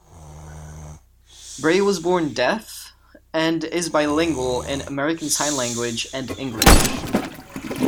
Bray was born deaf and is bilingual in American Sign Language and English.